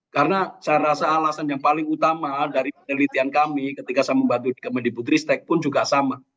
karena saya rasa alasan yang paling utama dari penelitian kami ketika saya membantu kemendikbud ristek pun juga sama